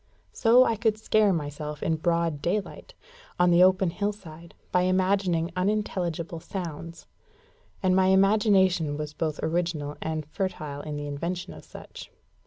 So I could scare myself in broad daylight, on the open hillside, by imagining unintelligible sounds; and my imagination was both original and fertile in the invention of such.